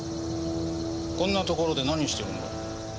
こんなところで何してるんだ？